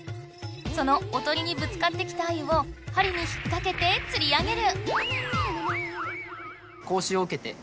そのおとりにぶつかってきたアユをはりに引っかけてつり上げる。